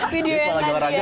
video yang lagi ya